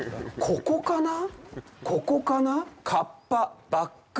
ここかなぁ？